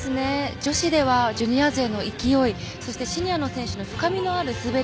女子ではジュニア勢の勢いそして、シニアの選手の深みのある滑り。